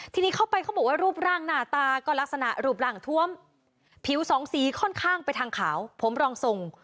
ทีนี้เข้าไปเขาบอกว่ารูปร่างหน้าตาก็ลักษณะรูปร่างทวมผิวสองสีค่อนข้างไปทางขาวผมรองทรง